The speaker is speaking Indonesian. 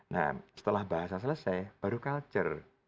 nah setelah bahasa selesai baru culture